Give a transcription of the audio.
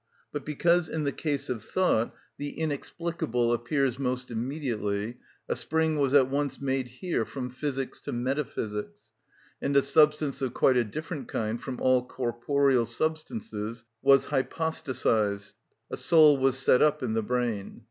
But because in the case of thought the inexplicable appears most immediately, a spring was at once made here from physics to metaphysics, and a substance of quite a different kind from all corporeal substances was hypostatised—a soul was set up in the brain.